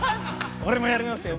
俺もやりますよ！